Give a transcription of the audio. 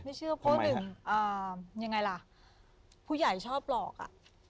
เชื่อเพราะหนึ่งอ่ายังไงล่ะผู้ใหญ่ชอบหลอกอ่ะ